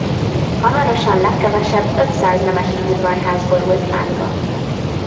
Hamarosan legkevesebb ötszáz nemesi udvarház borult lángba.